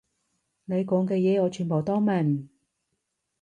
你講嘅嘢我全部都明